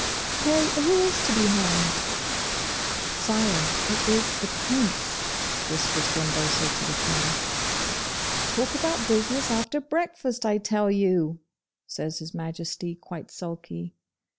Pray who is to be hanged?' 'Sire, it is the Prince,' whispers Glumboso to the King. 'Talk about business after breakfast, I tell you!' says His Majesty, quite sulky.